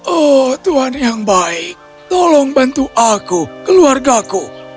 oh tuhan yang baik tolong bantu aku keluargaku